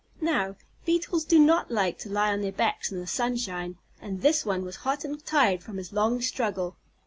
Now, Beetles do not like to lie on their backs in the sunshine, and this one was hot and tired from his long struggle.